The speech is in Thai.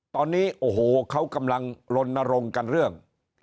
ตอนนี้โอ้โหเขากำลังลนรงค์กันเรื่อง